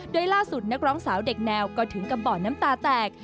โดยล่าสุดนักร้องสาวเด็กแนวก็ถึงกับบ่อน้ำตาแตก